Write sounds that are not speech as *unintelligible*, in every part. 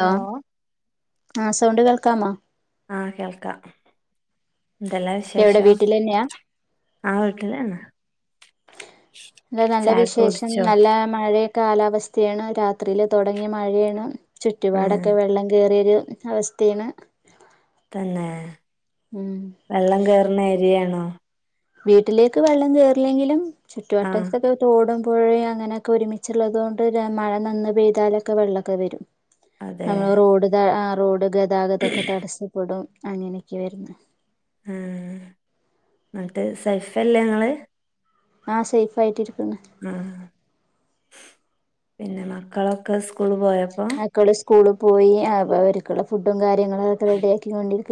Hello ആഹ് sound കേൾക്കാമോ. ആഹ് കേൾക്കാം. എന്തെല്ലാം എവിടെ വിശേഷം. വീട്ടിലെന്നെയാ ആ വീട്ടിലാണ്. നല്ല ചായക്കെ വിശേഷം കുടിച്ചോ നല്ല മഴയാ കാലാവസ്ഥയാണ് രാത്രിയിൽ തുടങ്ങിയ മഴയാണ്. ഉം ചുറ്റുപാടൊക്കെ വെള്ളം കേറിയൊരു അവസ്ഥായാണ്. തന്നെ! ഉം വെള്ളം കേറുന്ന ഏരിയയാണോ. വീട്ടിലേക്ക് വെള്ളം കേറില്ലെങ്കിലും. ആഹ് ചുറ്റുവട്ടത്തൊക്കെ തോടും പുഴയും അങ്ങനെയൊക്കെ ഒരുമിച്ചുള്ളത് കൊണ്ട് മഴ നന്ന പെയ്താലൊക്കെ വെള്ളമൊക്കെ വരും. അതെ മ്മള് റോഡ് ത ആ റോഡ് ഗതാഗതൊക്കെ തടസ്സപ്പെടും. അങ്ങനെയൊക്കെ വരുന്ന് ആഹ് എന്നിട്ട് സെഫല്ലേ ങ്ങള് ആ സേഫ് ആയിട്ടിരി ആഹ് പിന്നെ മക്കളൊക്കെ സ്കൂള് പോയപ്പോ മക്കള് സ്കൂള് പോയി അപ്പോ അവരിക്കുള്ള ഫുഡും കാര്യങ്ങളൊക്കെ റെഡിയാക്കി കൊണ്ടിരി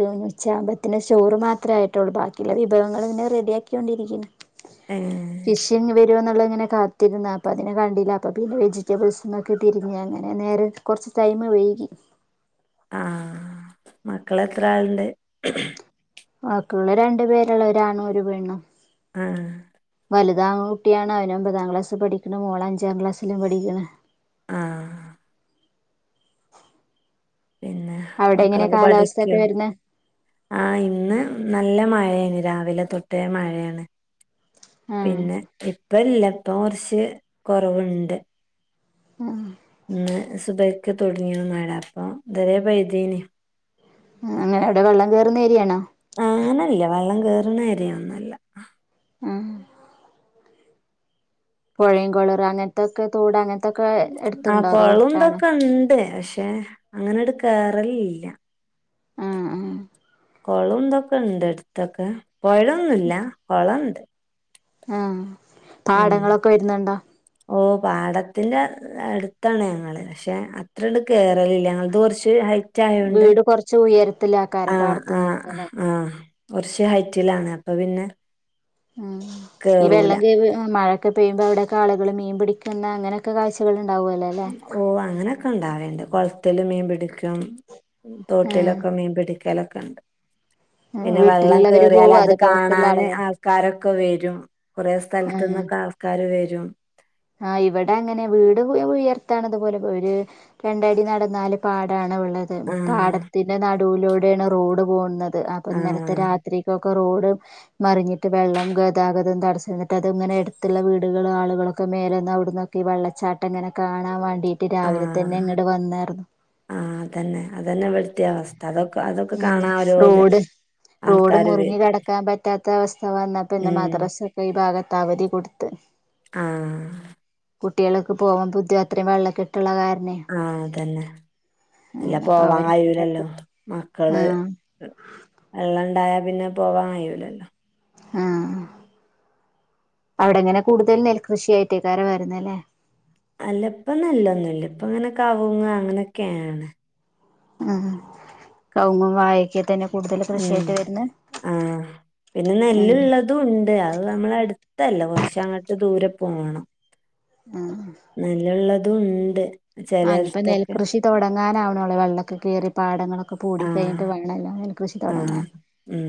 ച്ചമ്പത്തിന് ചോറ് മാത്രേ ആയിട്ടുള്ളൂ. ബാക്കിയുള്ള വിഭവങ്ങൾ ഇങ്ങനെ റെഡിയാക്കി ക്കൊണ്ടിരിക്കുന്നു. ഏഹ് ഫിഷിംഗ് വരു എന്നുള്ള അങ്ങനെ കാത്തിരുന്നു. അപ്പൊ അതിനെ കണ്ടില്ല അപ്പൊ പിന്നെ വെജിറ്റബിൾസിലേക്ക് തിരിഞ്ഞു ഞാന് അ നേരെ കൊറച്ച് ടൈമ് വൈകി. ആ മക്കള് എത്ര ആളണ്ട്. രണ്ട് പേരോള്ളു ഒരാണും ഒരുപെണ്ണും ആഹ് വലുത് ആകുട്ടിയാണ് അവന് ഒമ്പതാം ക്ലാസ്സ് പഠിക്കുന്നു. മോള് അഞ്ചാം ക്ലാസ്സിലും പഠിക്കണ് ആഹ് *inaudible* പിന്നെ അവിടെ എങ്ങനെ മക്കളൊക്കെ കാലാവസ്ഥ ഒക്കെ പഠിക്കോ? വരുന്നെ ആ ഇന്ന് നല്ല മഴ രാവിലെ തൊട്ടേ മഴയാണ്. ആഹ് പിന്നെ ഇപ്പല്ല. തോർച്ച് കുറവുണ്ട്. മ് ന്ന് സുഭയിക്ക തുടങ്ങിയ മഴ അപ്പൊ തെ പൈതിന് അങ്ങനെ അവിടെ വെള്ളം കേറുന്ന ഏരിയാണോ. ആഹ് നല്ല വെള്ളം കേയറണരിയ ഒന്നല്ല. ഉം പുഴയും കുണറ അങ്ങനത്തൊക്കെ തൊട ഞ ആഹ് കൊളംന്തൊക്കെ ഉണ്ട് പക്ഷെ അങ്ങനെട് കേറളില്ല. ആഹ് ആഹ് കുളംന്തൊക്കെ ഇണ്ട് അടുത്തൊക്കെ പുഴമൊന്നു മില്ല കൊളുണ്ട് ആഹ് പാടങ്ങളൊക്കെ വരുന്നുണ്ടോ? ഓ പാടത്തിന്റെ അടുത്താണ് ഞങ്ങള് പക്ഷെ അത്ര ഇണ്ട് കേററില്ല ഞങ്ങളത് കുറച്ച് ഹൈ മുറ്റായൊണ്ട് വീട് കൊറച്ച് ഉയരത്തിലാക്കാരം ആഹ് ആഹ് പാടത്തുനിന്നല്ലേ ആഹ് കുറച്ച് ഹൈറ്റിലാണ്. അപ്പൊ പിന്നെ ഉം ഈ കേറൂല വെള്ളം കേ വി മഴ ഒക്കെ പയുമ്പോ അവിടെക്കെ ആള്കള് മീൻ പിടിക്കുന്ന അങ്ങനൊക്കെ കാഴ്ച്ചകൾണ്ട് ഓ അങ്ങനെയൊക്കെ ഇണ്ടാവേണ്ട് കൊളത്തിൽ മീൻ പിടിക്കും. ആഹ് തോട്ടിലൊക്കെ മീൻ പിടിക്കലൊക്കെണ്ട് പിന്നെ വെള്ളം വീട്ടിലുള്ളവര് കേയറിയാൽ പോവും അത് പുറത്തുള്ള കാണാൻ ആളുകൾ ആൾക്കാരൊക്കെ വരും കുറെ സ്ഥലത്തന്നൊക്കെ ആൾക്കാർ വരും ആ ഇവിടെ അങ്ങനെ വീട് ഉയർത്തണതുപോലെ ഒരു രണ്ടടി നടന്നാല് പാടാണ് ള്ളത് ആഹ് പാടത്തിന്റെ നടുവിലൂടെയാണ് റോഡ് പോകുന്നത് അപ്പൊ ഇന്നലത്തെ ആഹ് രാത്രി ക്കൊക്കെ റോഡ് മറിഞ്ഞിട്ട് വെള്ളം ഗതാഗതം തടസംന്നിട്ട് അത് ഇങ്ങനെ അ ടുത്തുള്ള വീടുകൾ ആളുകളൊക്കെ മേലന്നന്ന് അവിടന്നൊക്കെഈ വെള്ളച്ചാട്ടങ്ങനെ കാണാൻ വേണ്ടി രാവിലെ തന്നെ ആഹ് ങ്ങോട്ട വന്നായിരുന്നു ആഹ് അതന്നെ അതന്നെ ഇവിടുത്തെ അവസ്ഥ അതൊക്കെ അതൊക്കെ ഉം കാണാൻ ഓരോ ജ- റോഡ് റോഡ് ആൾക്കാര് മുറിഞ്ഞ വരും കിടക്കാൻ പറ്റാത്ത അവസ്ഥ വന്നാപ്പന്നെ ഉം മദ്രാസ ഒക്കെ ഈ ഭാഗത്ത് അവധി കൊടുത്ത് ആ കുട്ടികൾക്ക് പോകാൻ ബുദ്ധി അത്രയും വെള്ളം കെട്ട് ആ അതന്നെ അല്ല അങ്ങനെപ്പ പോവാൻ അവര് കഴൂലല്ലോ മക്കള് ആഹ് വെള്ളണ്ടായ പിന്നെ പോവാൻ കഴിയു. ആ അവിടെങ്ങനെ കൂടുതൽ നെൽകൃഷിയായിട്ടേക്കാര വരുന്നല്ലേ അല്ല ഇപ്പ നെല്ലെന്നുല്ല ഇപ്പ ഇങ്ങനെ കാവുങ് അങ്ങനൊക്കെയാണ് ഉ കവുങ്ങും വായക്കെ തന്നെ കൂടുതൽ കൃഷിയായിട്ട് വരുന്ന ആ പിന്നെ നെല്ലലള്ളതും ഉണ്ട് അത് നമ്മൾ അടുത്തല്ല കുറച്ച അങ്ങോട്ട് ദൂരെ പോകണം ആ തുണ്ട് ആ ഇനിയിപ്പോ നെൽകൃഷി തുടങ്ങാനാവണോള്ളേ വെള്ളക്കെ കയറി പാടങ്ങളൊക്കെ പൂടി ആഹ് കഴിഞ്ഞിട്ട് വേണല്ലോ നെൽ കൃഷി ആഹ് തുടങ്ങാൻ ഉം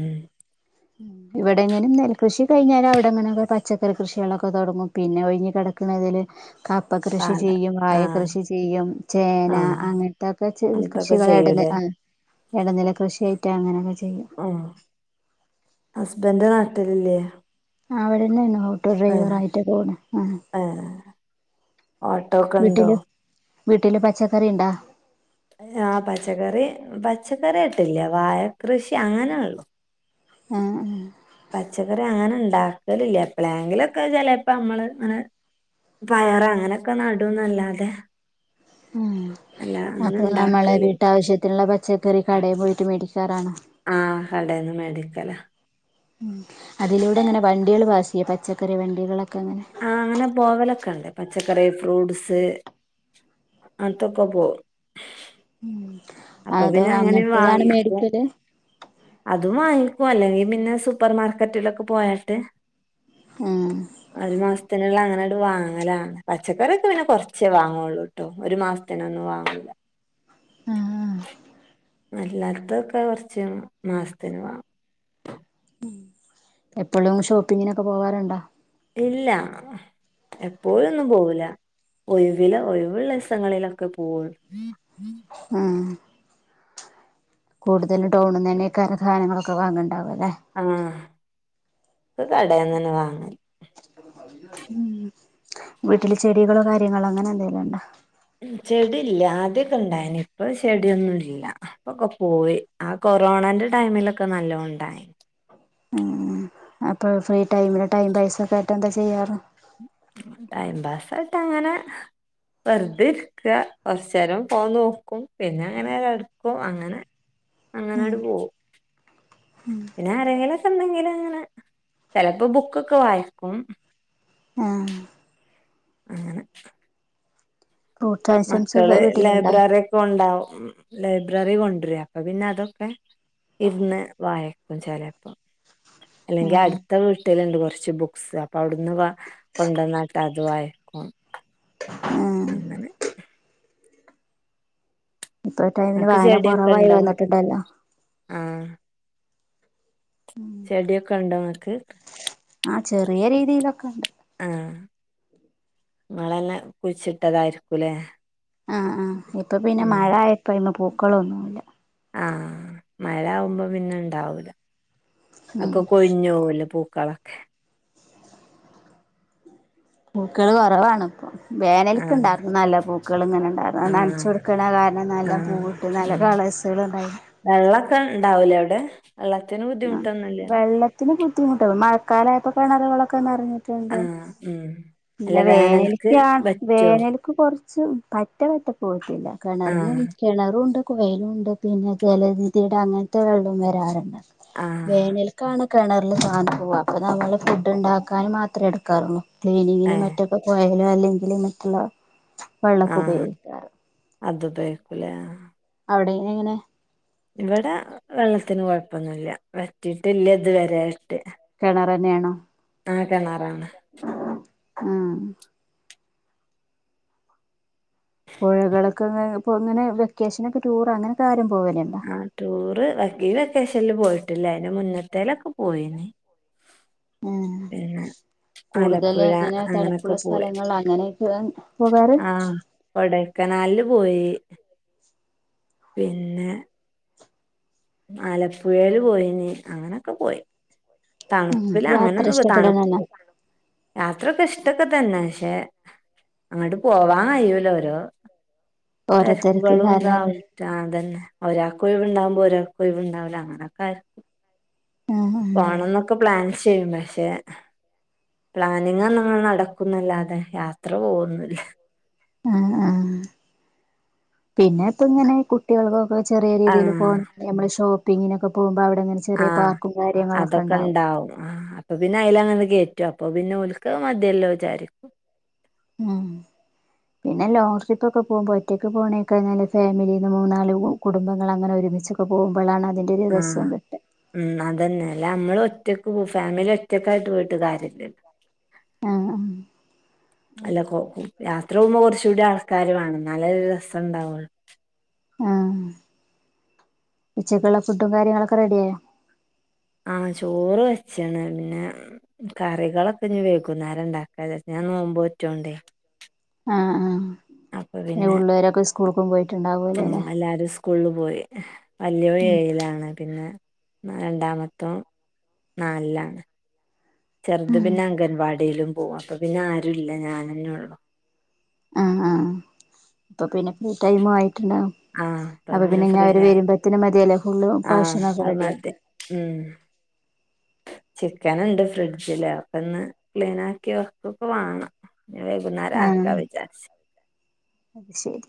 ഇവിടെ എങ്ങനും നെൽ കൃഷി കയിഞാൽ അവിടെങ്ങനെൊക്കെ പച്ചക്കറി കൃഷികളൊക്കെ തുടങ്ങും പിന്നെ ഒഴിഞ്ഞഞ് കിടക്ക *unintelligible* കപ്പ കൃഷി പാട ചെയ്യും വായ ആഹ് കൃഷി ചെയ്യും ചേന ആഹ് അങ്ങനത്തെൊക്കെ അങ്ങനത്തൊക്കെ കൃഷികള ഇട ചെയ്യൂലേ ആ ഇടനില കൃഷിയിട്ട അങ്ങനെയൊക്കെ ചെയ്യും ഉം ഹസ്ബൻഡ് നാട്ടില് ല്ലേ അവിടെന്നാണ് ഓട്ടോ ഡ്രൈവർ ആയിട്ടൊ പോണ് ആ ഏഹ് ഓട്ടോക്കെ ഉണ്ടോ വീട്ടില് പച്ചക്കറി ഉണ്ടാ ആ പച്ചക്കറി പച്ചക്കറിയാട്ടില്ല വാഴ കൃഷി അങ്ങനെള്ളു ആ ആ പച്ചക്കറി അങ്ങനെ ഉണ്ടാക്കലില്ല എപ്പഴെങ്കിലുംക്കെ ചിലപ്പോ നമ്മള് അങ്ങനെ പയർ അങ്ങനെയൊക്കെ നടുംന്നല്ലാതെ ഉം അല്ല അപ്പൊ നമ്മളെ വീട്ടാവശ്യത്തിനുള്ള പച്ചക്കറി കടയിൽ പോയിട്ട് മേടിക്കാറാണ് ആ കടേന്ന് മേടിക്കലാ ഉം അതിലൂടെ അങ്ങനെ വണ്ടികൾ പാസ് ചെയ്യോ പച്ചക്കറി വണ്ടികളൊക്കെ അങ്ങനെ ആ അങ്ങനെ പോകലൊക്കെ ഉണ്ട് പച്ചക്കറി ഫ്രൂട്സ് അതോക്കെ പോവും അപ്പൊ അതോ പിന്നെ അങ്ങനെ അങ്ങട്ട്താണ് വാങ്ങിക്കും മേടിക്കല് അതും വാങ്ങിക്കോ അല്ലെങ്കി പിന്നെ സൂപ്പർ മാർക്കറ്റിലൊക്കെ പോയാട്ട് ഉം ഒരു മാസത്തിനുള്ള അങ്ങനെ വാങ്ങലാണ് പച്ചക്കറൊക്കെ പിന്നെ കൊറച്ചേ വാങ്ങള്ളൂ ട്ടോ ഒരു മാസത്തിനൊന്നും വാങ്ങൂല്ല അല്ലാത്തൊക്കെ കൊറച്ച മാസത്തിന് വേ എപ്പോഴും ഷോപ്പിങ്ങിനൊക്കെ പോകറുണ്ടോ ഇല്ല എപ്പോഴൊന്നും പോവൂല ഒഴിവില ഒഴിവുള്ളസങ്ങളിലൊക്കെ പോവുള്ളു ആ കൂടുതലും ടൗണിന്നെന്നെയ്ക്കാരം സാദനങ്ങളൊക്കെ വാങ്ങണ്ട് ആ കടേന്നന്നേ വാങ്ങല് ഉ വീട്ടില് ചെടികളോ കാര്യങ്ങളോ അങ്ങനെ എന്തെലും ഉണ്ടോ ചെടി ഇല്ല ആദ്യൊക്കെ ഉണ്ടായന് ഇപ്പൊ ചെടിയൊന്നും ഇല്ല അപ്പൊക്കെ പോയി ആ കൊറോണന്റെ ടൈമിലൊക്കെ നല്ലോം ഉണ്ടായി ഉം അപ്പൊ ഫ്രീ ടൈമിന് ടൈം പൈസ ഒക്കെ ആയിട്ട് എന്താ ചെയ്യാറ് ടൈം പാസ ആയിട്ട് അങ്ങനെ വെറുതെ ഇരിക്ക കുറച്ച നേരം ഫോൺ നോക്കും പിന്നെ അങ്ങനെ കിടക്കും അങ്ങനെ അങ്ങാനാണ്ട് പോവും പിന്നെ ആരെങ്കിലൊക്കെ ഉണ്ടെങ്കിലും അങ്ങനെ ചിലപ്പോ ബുക്കൊക്കെ വായിക്കും ആഹ അങ്ങനെ ഫ്രൂട്ട്സ് ഐറ്റംസ് മക്കള് വീട്ടിലുണ്ടോ ലൈബ്രറി ഒക്കെ ഉണ്ടാവും ഉ ലൈബ്രറി കൊണ്ടര അപ്പ പിന്നെ അതൊക്കെ ഇരുന്ന് വായക്കും ചിലപ്പോം അല്ലെങ്കി ആഹ് അടുത്ത വീട്ടിലുണ്ട് കുറച്ച് ബുക്സ് അപ്പൊ അവിടുന്ന് കൊണ്ടുവന്നാട്ട് അതുവായി അങ്ങനെ ആഹ് അങ്ങനെ ഇപ്പൊ ടൈമിന് നിങ്ങക്ക് വായന കുറവായി വന്നിട്ടുണ്ടല്ലോ ആ ചെടിയൊക്കെ ഉണ്ടോ ഇങ്ങക്ക് ആഹ ചെറിയ രീതിയിലൊക്കെ ഉണ്ട് ആഹ ഇങ്ങളെന്നെ കുഴിച്ചിട്ടതായിരിക്കൂലേ ആഹ് ആഹ ഇപ്പൊ പിന്നെ മഴ ആയ പിന്നെ പൂക്കളൊന്നുമല്ല ആഹ മഴ ആകുമ്പോ പിന്നെ ഇണ്ടാവൂല ഉം ഒക്കെ കൊഴിഞ്ഞ പോകല പൂ കളക്കെ പൂക്കള് കുറവാണ് ഇപ്പൊ ആഹ് വേനലക്കുണ്ടായിരുന്നു നല്ല പൂക്കൾ ഇങ്ങനെ ഉണ്ടായിരുന്നു നനച്ചുക ആഹ് കൊടുക്കണ കാരണം നല്ല പൂവി ഇട്ട് നല്ല കള സലാണ്ടായി വെള്ളമൊക്കെ ഉണ്ടാവൂലേ അവിടെ വെള്ളത്തിന് ആ ബുദ്ധിമുട്ടൊന്നുല്ല വെള്ളത്തിന് ബുദ്ധിമുട്ട് മഴക്കാല ആയപ്പോ കിണറുകളളൊക്കെന്ന്റിഞ്ഞ് ആഹ ഉം അല്ല പിന്നെ വേനൽക്ക് വേനലക്കാണ് പറ്റോ വേനലക്ക് കുറച്ചു കുറച്ച് പറ്റ പറ്റ പോട്ടില്ല കിണറി ആഹ് കിണറുംണ്ട് കുയലും ഉണ്ട് പിന്നെ ജലനിതിടെ അങ്ങനത്തെ വെള്ളം വരാറുണ്ട് ആഹ് വേനൽക്കണ കിണറില് സാ പോവാ അപ്പൊ നമ്മള് ഫുഡ് ഉണ്ടാക്കാനൻ മാത്രേ എടുക്കാറുള്ളു ക്ലീനിങ്ങിനും ഏഹ് മറ്റൊക്കെ കോയലും അല്ലെങ്കില് മറ്റുള്ള വെള്ളമൊക്കെ ആഹ് ഉപയോഗിക്കാറ് അത് ഉപയോഗിക്കൂലേ അവിടെ എങ്ങനെ ഇവിടെ വെള്ളത്തിന് കൊഴപ്പൊന്നുമല്ല വറ്റിട്ടില്ല ഇതു വരൊയിട്ട് കിണർ തന്നെയാണോ ആ കിണാറാണ് ആ ആ പുഴകളൊക്കെ ഇ ഇങ്ങനെ വെക്കേഷന ഒക്കെ ടൂർ അങ്ങനെ കാര്യം ആ ടൂറ് വഈ വെക്കേഷനിൽ പോയിട്ടില്ല അന് മുന്നത്തേലൊക്കെ പോയിന്ന് ഉ കൂടുതൽ ആലപ്പുഴ അങ്ങനെ അങ്ങനൊക്കെ തണുപ്പുള്ള പോയി സ്ഥലങ്ങൾ അങ്ങനെയൊക്കെ പോകാറ് കനാലില് പോയി പിന്നെ ആലപ്പുഴയില് പോയീനി അങ്ങനൊക്കെ പോയി ഉം തണുപ്പില്ല യാത്ര അങ്ങനെഒന്നും തണു ഇഷ്ടപ്പെടാനല്ല അത്രക്ക് ഇഷ്ട്ടൊക്കെ തന്നെ പക്ഷെ അങ്ങോട്ട് പോവാൻ കഴിയൂല ഓരോ ഓരോരുത്തർക്ക് തെരക്ക്കള് ണ്ടായി കാരണല്ലേ ട്ടാ അതന്നെ ഒരാക്ക് ഒയ്‌വ് ണ്ടാകുമ്പോ ഒരാ കൊയിവ്ണ്ടാവൂല അങ്ങനെക്കെ ആയിരിക്കും ആഹ് പോണം ന്നൊക്കെ പ്ലാൻ ചെയ്യും പക്ഷെ പ്ലാനിങ് അങ്ങനെ നടക്കും ന്നല്ലാതെ യാത്ര പോവൊന്നുല്ല ആ ആ പിന്നെ ഇപ്പൊ ഇങ്ങനെ കുട്ടിയോൾ ക്ക് ഇപ്പോ ചെറിയ രീതിയില് പോ ആഹ് നമ്മൾ ഷോപ്പിങ്ങിനൊക്കെ പോകുമ്പോ അവി ടെ ങ്ങനെ ചെറിയ ആഹ് പാർക്കും കാര്യങ്ങളൊക്കെ അതൊക്കെ ഉണ്ടാവും ആഹ് അപ്പൊ പിന്നെ അയ്ലങ്ങനെ കേറ്റുംഅപ്പൊ പിന്നെ ഓൽക്ക് അത് മതിയല്ലോ ചാരിക്കും മ്മ് പിന്നെ ലോങ് ട്രിപ്പ് ഒക്കെ പോകുമ്പോ ഒറ്റയ്ക്ക് പോണേക്കാൾ നല്ലത് ഫാമിലി മൂന്നാല് കുടുംബങ്ങൾ അങ്ങനെ ഒര് മിച്ചൊക്കെ പോകുമ്പോളാണ് ആ മ്മ് അതന്നെ അല്ല നമ്മള് ഒറ്റക്ക് പോ ഫാമിലി ഒറ്റക്കായിട്ട് പോയിട്ട് കാര്യല്ലല്ലോ ആഹ് ആഹ് അല്ല കൊ യാത്ര പോകുമ്പോ കുറച്ച കൂടി ആൾക്കാര് വാണം ഇന്നാലെ ഒരു രസുണ്ടാവുള്ളു ആ ഉച്ചക്കുള്ള ഫുഡും കാര്യങ്ങളൊക്കെ റെഡിയായോ ആ ചോറ് വെച്ച്ണ് പിന്നെ കറികളൊക്കെ ഇനി വൈകുന്നേരം ഇണ്ടാക്കാ ചാരിച്ച് ഞാ നോമ്പോറ്റോണ്ടേ ആ ആ പിന്നെ പിള്ളേരൊക്കെ സ്കൂൾക്കും പോയി ഉം എല്ലാരും സ്കൂ ള് പോയി വല്യേ ൻ ഉം ഏയിലാണ് പിന്നെ രണ്ടാമ ത്തോൻ നാല് ലാണ് ചെറുത് ഉം പിന്നെ അംഗൻവാടിയിലും പോകും അപ്പൊ പിന്നെ ആരുല്ല ഞാനന്നെ ള്ളു ആ ആ അപ്പൊ പിന്നെ ഫ്രീ ടൈമും ആയി ട്ട് ണ്ടാവും അപ്പൊ പിന്നെ ഇനി അവര് വരുമ്പോത്തിന് മതിയല്ലോ ഫുള് ഭക്ഷണ ഒക്കെ റെഡി ആകാ മ്മ് ചിക്കൻ ഉണ്ട് ഫ്രിഡ്ജില് അഒക്കൊന്ന് ക്ലീൻ ആക്കി വെക്കൊക്കെ വാണം വൈകുന്നേരം ആഹ് ആക്ക വിചാരിച്ച് അത് ശരി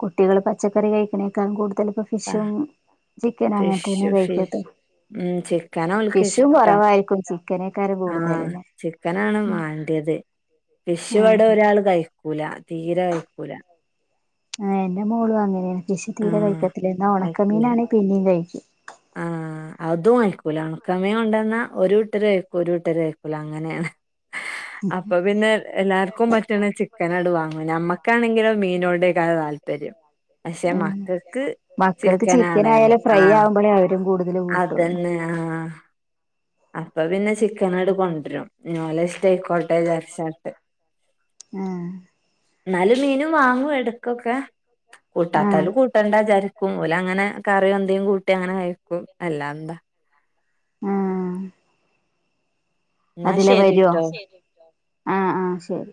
കുട്ടികള് പച്ചക്കറി കഴിക്കണേ ക്കാൾ കൂടുതലും ഇപ്പോ ഫിഷും ആഹ് ചിക്കൻ അങ്ങ ന് തന്നെ കഴിക്കത്തെ മ്മ് ചിക്കന് ഓൽക്ക് ഫിഷും ഇഷ്ടം കുറവായിരിക്കും ചിക്കനേക്കാരം ആ കൂടുതലല്ലേ ചിക്കനാണ് മാണ്ടയ ത്‌ ഫിഷ് ഇവടെ ആഹ് ഒരാള് കഴിക്കൂല തീരെ കഴിക്കൂല ആ എന്റെ മോളും അങ്ങനെ ഫിഷ് തീരെ ആഹ് കഴിക്കത്തില്ല ഇന്നാ അയക്കൂല ഒണക്കമീനണെങ്കി പിന്നെ കഴിക്കും ആഹ് അതും കയിക്കൂല ഉണക്ക മീൻ കൊണ്ടന്നാ ഒരു കൂട്ടര് കഴിക്കും ഒരു കൂട്ടര് കഴിക്കൂല അങ്ങനെണ് *unintelligible* അപ്പൊ പിന്നെ എല്ലാർക്കും പറ്റണ ചിക്കനാട് വാങ്ങും നമ്മക്കാണെങ്കിലോ മീനോടേക്കാരം താല്പര്യം പക്ഷെ ആഹ് മക്കൾക്ക് മക്കൾക്ക് ചിക്കൻ ചിക്കനാണേണും ആയാലും ആ ഫ്രൈ ആവുമ്പോളേ അവരും കൂടുതൽ കൂട്ടുള്ളൂ അതന്നെ ആഹ് അപ്പൊ പിന്നെ ചിക്കനാട്ട് കൊണ്ടരും ഇഞ്ഞ് ഓലെ ഷ്ടയിക്കോട്ടെ ചാരിച്ചാണ്ട് ആഹ് ന്നാലും മീനും വാങ്ങും എടക്കൊക്കെ ആഹ് കൂട്ടാത്താല് കൂട്ടണ്ടാചാരിക്കും ഓലങ്ങനെ കറിയും എന്തേകൂട്ടി അങ്ങനെ കയിക്കും അല്ലാന്താ ആ എന്നാ അതിലെ വരോ ശരിട്ടോ ആ ആ ശരി